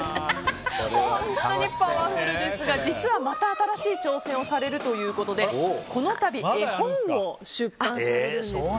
本当にパワフルですが実はまた新しい挑戦をされるということでこの度絵本を出版されるんですよね。